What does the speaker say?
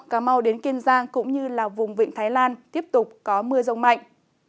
cà mau đến kiên giang cũng như là vùng vịnh thái lan tiếp tục có mưa rông mạnh